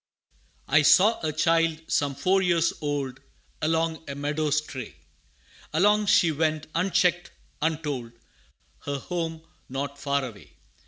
I saw a child some four years old, Along a meadow stray; Alone she went unchecked untold Her home not far away.